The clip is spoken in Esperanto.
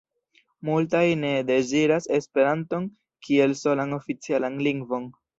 Multaj "ne" deziras Esperanton kiel solan oficialan lingvon.